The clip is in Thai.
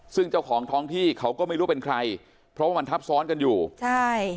ซึ่งเจ้าของท้องที่เขาก็ไม่รู้เป็นใครเพราะว่ามันทับซ้อนกันอยู่ใช่